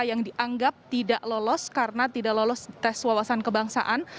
yang dianggap tidak lolos karena tidak lolos tes wawasan kebangsaan